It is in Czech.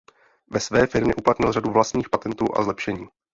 Ve své firmě uplatnil řadu vlastních patentů a zlepšení.